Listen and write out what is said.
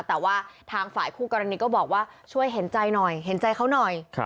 แต่ว่าทางฝ่ายคู่กรณีก็บอกว่าช่วยเห็นใจหน่อยเห็นใจเขาหน่อย